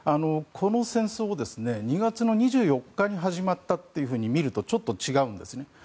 この戦争が２月２４日に始まったと見るとちょっと違うんですね。